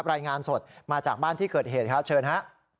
รายงานสดมาจากบ้านที่เกิดเหตุครับเชิญฮะ